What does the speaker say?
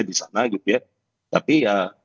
di sana gitu ya tapi ya